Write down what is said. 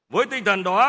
với tinh thần đó